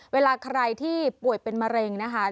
เวลาใครที่ป่วยเป็นมะเร็งนะคะ